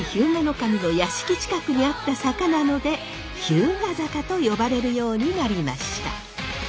守の屋敷近くにあった坂なので日向坂と呼ばれるようになりました。